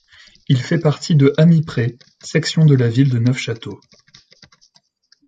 Il fait partie de Hamipré, section de la ville de Neufchâteau.